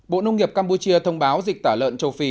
bộ nông nghiệp campuchia thông báo dịch tả lợn châu phi